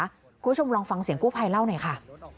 คุณผู้ชมลองฟังเสียงกู้ภัยเล่าหน่อยค่ะ